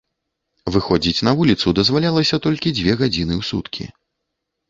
Выходзіць на вуліцу дазвалялася толькі дзве гадзіны ў суткі.